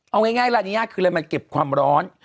เอาง่ายลานิยาคืออะไรมันเก็บความร้อน